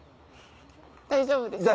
大丈夫ですか？